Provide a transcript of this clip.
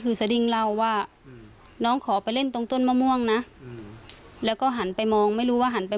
แต่ที่แน่เนี่ยน้องยังไม่หาย๙โมง๑๑นาที